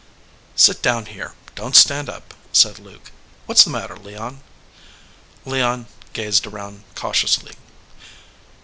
"Sit down here. Don t stand up," said Luke. "What s the matter, Leon?" Leon gazed around cautiously.